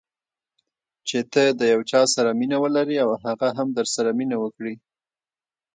چې ته د یو چا سره مینه ولرې او هغه هم درسره مینه وکړي.